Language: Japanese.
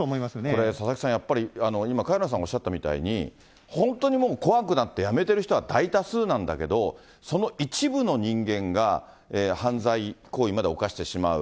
これ、佐々木さん、今、萱野さんがおっしゃったみたいに、本当にもう、怖くなって、やめてる人は大多数なんだけど、その一部の人間が犯罪行為まで犯してしまう。